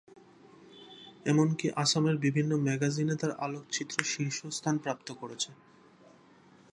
এমনকি অসমের বিভিন্ন ম্যাগাজিনে তার আলোকচিত্র শীর্ষস্থান প্রাপ্ত করেছে।